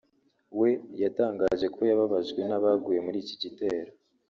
we yatangaje ko yababajwe n’abaguye muri iki gitero